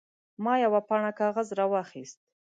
ما یوه پاڼه کاغذ راواخیست.